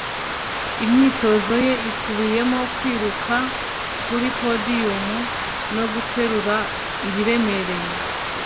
Imyitozo ye ikubiyemo kwiruka kuri podiyumu no guterura ibiremereye .